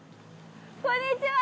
こんにちは。